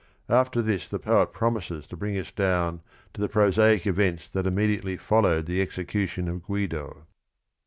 After this the poet promises to bring us down to the prosaic events that immedi ately followed the execution of Guido.